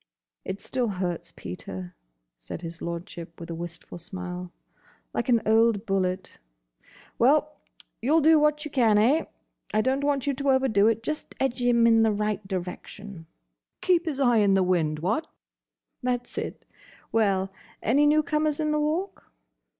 "It still hurts, Peter," said his Lordship with a wistful smile. "Like an old bullet.—Well! You 'll do what you can, eh?—I don't want you to overdo it. Just edge him in the right direction." "Keep his eye in the wind, what?" "That's it.—Well? Any new comers in the Walk?"